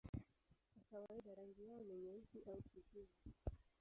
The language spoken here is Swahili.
Kwa kawaida rangi yao ni nyeusi au kijivu.